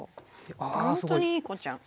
ほんとにいい子ちゃん。